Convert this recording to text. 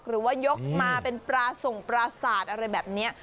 หรือว่ายกมาเป็นปลาส่งปราศาสตร์อะไรแบบนี้